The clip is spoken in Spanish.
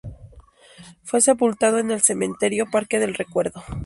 Fue sepultado en el cementerio Parque del Recuerdo.